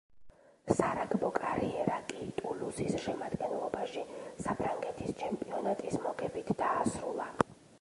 სარაგბო კარიერა კი „ტულუზის“ შემადგენლობაში საფრანგეთის ჩემპიონატის მოგებით დაასრულა.